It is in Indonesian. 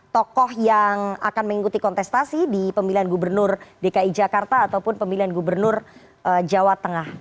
tokoh yang akan mengikuti kontestasi di pemilihan gubernur dki jakarta ataupun pemilihan gubernur jawa tengah